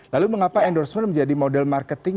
lalu mengapa endorsement menjadi model marketing